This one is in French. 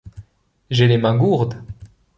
J’ai les mains gourdes.